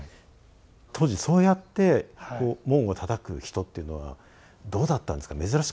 当時そうやって門をたたく人っていうのはどうだったんですか珍しかったんじゃないですか？